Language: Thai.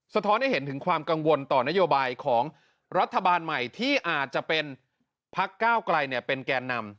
ท้อนให้เห็นถึงความกังวลต่อนโยบายของรัฐบาลใหม่ที่อาจจะเป็นพักก้าวไกลเป็นแกนนำ